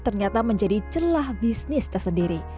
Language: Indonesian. ternyata menjadi celah bisnis tersendiri